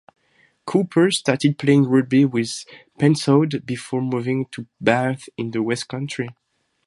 Cooper started playing rugby with Pencoed before moving to Bath in the West Country.